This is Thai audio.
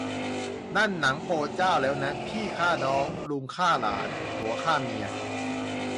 นั่นหนังโปรเจ้าแล้วนะ พี่ฆ่าน้อง ลุงฆ่าหลาน ผัวฆ่าเมีย